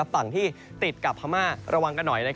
ฝั่งที่ติดกับพม่าระวังกันหน่อย